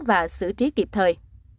và xử trí kịp thời